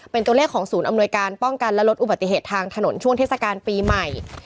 เป็นตัวเลขของศูนย์อำนวยการป้องกันและลดอุบัติเหตุทางถนนช่วงเทศกาลปีใหม่